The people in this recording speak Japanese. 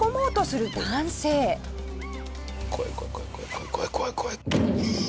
怖い怖い怖い怖い！